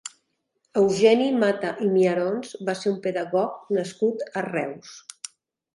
Eugeni Mata i Miarons va ser un pedagog nascut a Reus.